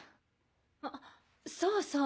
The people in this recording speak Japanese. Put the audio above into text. あっそうそう。